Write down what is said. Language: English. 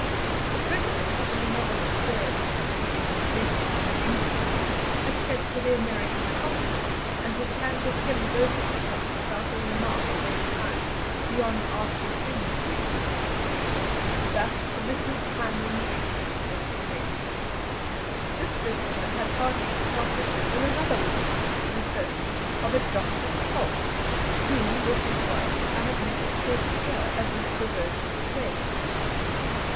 The President, in the novel experience of receiving a letter from an English lady, had sent for the American Consul, and had handed him both epistles without a remark of any kind, beyond asking him to deal with them. Thus the missive finally reached its destination. This visitor had hardly departed when another was announced in the person of a Dr. Scholtz, whom, with his wife, I had met at Groot Schuurr as Mr. Rhodes's friends.